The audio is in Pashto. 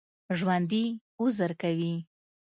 ژوندي عذر کوي